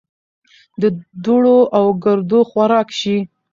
د دوړو او ګردو خوراک شي .